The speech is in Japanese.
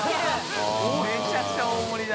めちゃくちゃ大盛りだ。